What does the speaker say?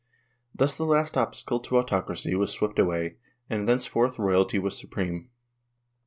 Thus the last obstacle to autocracy was swept away, and thenceforth royalty was supreme.